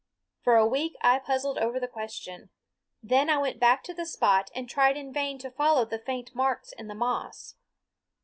For a week I puzzled over the question; then I went back to the spot and tried in vain to follow the faint marks in the moss.